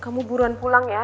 kamu buruan pulang ya